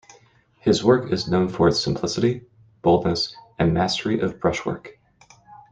His work is known for its simplicity, boldness and mastery of brushwork.